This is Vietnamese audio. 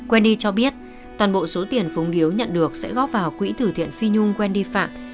wendy cho biết toàn bộ số tiền phúng điếu nhận được sẽ góp vào quỹ thử thiện phi nhung wendy phạm